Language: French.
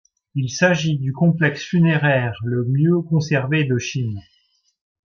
Il s'agit du complexe funéraire le mieux conservé de Chine.